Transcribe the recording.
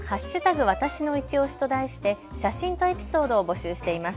わたしのいちオシと題して写真とエピソードを募集しています。